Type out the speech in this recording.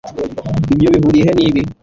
Ibyo bihuriye he nibi